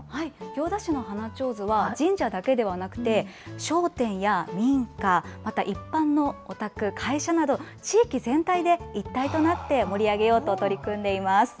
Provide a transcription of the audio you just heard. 行田市の花ちょうずは神社だけではなくて、商店や民家、また一般のお宅、会社など、地域全体で一体となって盛り上げようと取り組んでいます。